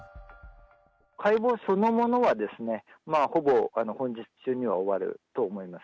解剖そのものは、ほぼ本日中には終わると思います。